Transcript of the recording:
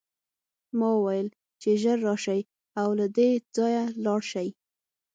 ما وویل چې ژر شئ او له دې ځایه لاړ شئ